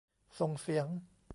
ส่งเสียง